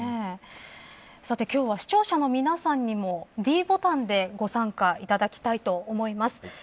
さて今日は視聴者の皆さんにもｄボタンで、ご参加いただきたいと思います。